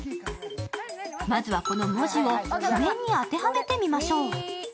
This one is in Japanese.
まずは、この文字を譜面に当てはめてみましょう。